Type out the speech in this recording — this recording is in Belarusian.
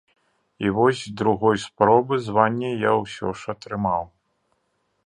І вось з другой спробы званне я ўсё ж атрымаў.